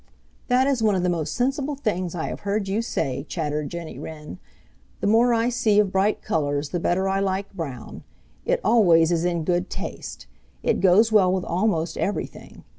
"That is one of the most sensible things I have heard you say," chattered Jenny Wren. "The more I see of bright colors the better I like brown. It always is in good taste. It goes well with almost everything.